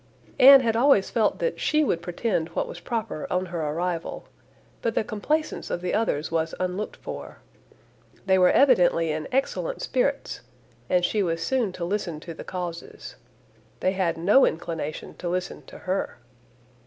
Anne had always felt that she would pretend what was proper on her arrival, but the complaisance of the others was unlooked for. They were evidently in excellent spirits, and she was soon to listen to the causes. They had no inclination to listen to her.